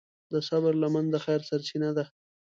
د صبر لمن د خیر سرچینه ده.